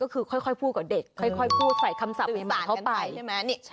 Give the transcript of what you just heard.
ก็คือค่อยพูดกับเด็กค่อยพูดใส่คำศัพท์เข้าไปใช่ไหม